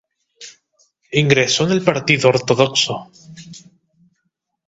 Ingresó en el Partido Ortodoxo.